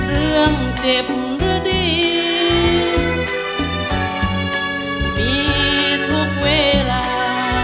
เรื่องเจ็บหรือดีมีทุกเวลา